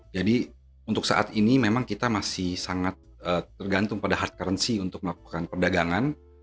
jadi untuk saat ini memang kita masih sangat tergantung pada hard currency untuk melakukan perdagangan